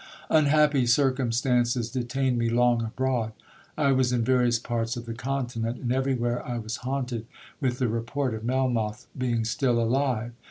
'Unhappy circumstances detained me long abroad. I was in various parts of the Continent, and every where I was haunted with the report of Melmoth being still alive.